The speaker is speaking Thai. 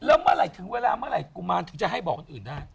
แล้วเมื่อไหร่ถึงเวลาเมื่อไหร่กุมารถึงจะให้บอกคนอื่นได้